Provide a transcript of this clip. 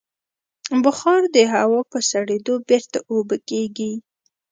بخار د هوا په سړېدو بېرته اوبه کېږي.